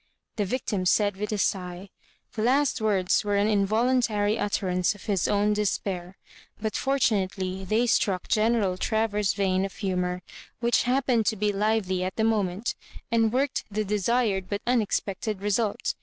the victim said, with a sigh. The last words were an involuntary utterance of his own despair, but fortunately they struck General Travers's vein of humour, which happened to be lively at the moment, and worked the desired but unex pected result.